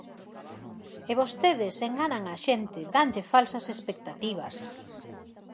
E vostedes enganan a xente, danlle falsas expectativas.